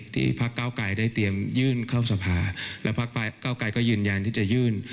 พักเก้าไกรได้เตรียมยื่นเข้าสภาและพักเก้าไกรก็ยืนยันที่จะยื่น